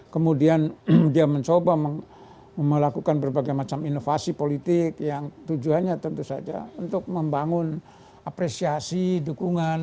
kemudian dia mencoba melakukan berbagai macam inovasi politik yang tujuannya tentu saja untuk membangun apresiasi dukungan